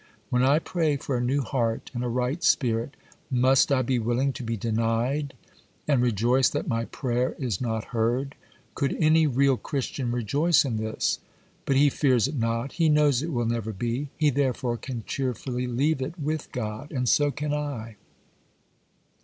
When I pray for a new heart and a right spirit, must I be willing to be denied, and rejoice that my prayer is not heard? Could any real Christian rejoice in this? But he fears it not,—he knows it will never be,—he therefore can cheerfully leave it with God; and so can I.